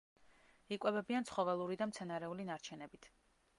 იკვებებიან ცხოველური და მცენარეული ნარჩენებით.